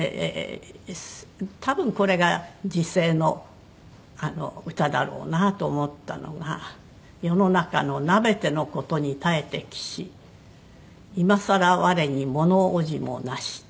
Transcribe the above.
多分これが辞世の歌だろうなと思ったのが「世の中のなべてのことに耐えてきし今さら我にものおじもなし」っていうのね。